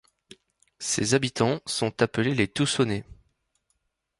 Ses habitants sont appelés les Toussonnais.